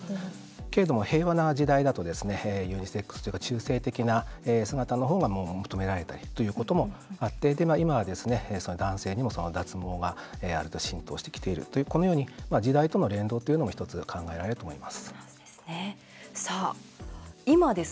けれども、平和な時代だとユニセックスというか中性的な姿の方が求められたりということもあって今は男性にも脱毛が割と浸透してきているというこのように時代との連動っていうのも１つ考えられると思います。